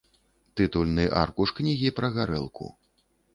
Тытульны аркуш кнігі пра гарэлку.